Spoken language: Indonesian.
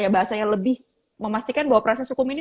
bahasanya lebih memastikan bahwa proses hukum ini